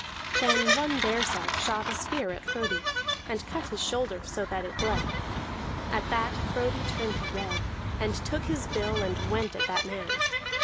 Then one baresark shot a spear at Frodi, and cut his shoulder so that it bled. At that Frodi turned red, and took his bill, and went at that man.